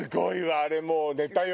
あれもうネタよ。